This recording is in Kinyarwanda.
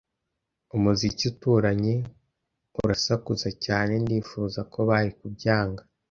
Umuziki uturanye urasakuza cyane. Ndifuza ko bari kubyanga.